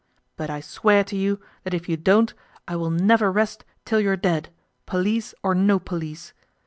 But I swear to you that if you don't I will never rest till you are dead, police or no police.